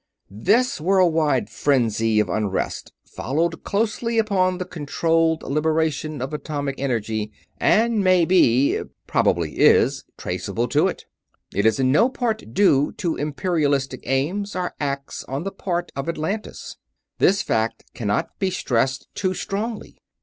"This worldwide frenzy of unrest followed closely upon the controlled liberation of atomic energy and may be probably is traceable to it. It is in no part due to imperialistic aims or acts on the part of Atlantis. This fact cannot be stressed too strongly.